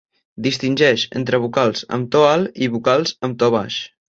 Distingeix entre vocals amb to alt i vocals amb to baix.